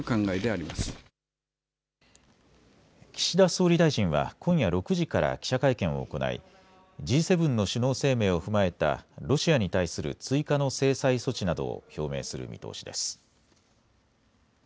岸田総理大臣は今夜６時から記者会見を行いＧ７の首脳声明を踏まえたロシアに対する追加の制裁措置などを表明する見通しです。